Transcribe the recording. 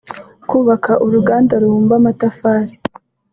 kubaka uruganda rubumba amatafari